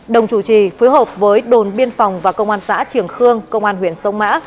đồng chủ trì phối hợp với đồn biên phòng và công an xã triển khương công an huyện sông mã